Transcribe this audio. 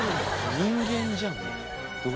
人間じゃんもう。